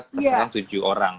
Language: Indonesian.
terserah tujuh orang